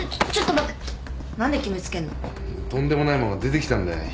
とんでもないものが出てきたんだよ。